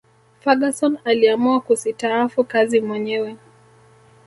ferguson aliamua kusitaafu kazi mwenyewe